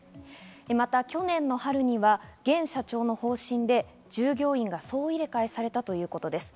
また去年の春には現社長の方針で従業員が総入れ替えされたということです。